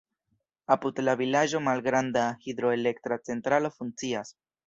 Apud la vilaĝo malgranda hidroelektra centralo funkcias.